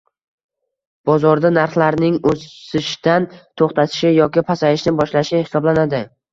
Bozorida narxlarning oʻsishdan toʻxtatishi yoki pasayishni boshlashi hisoblanadi.